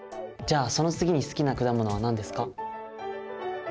じゃあその次に好きな果物は何ですか？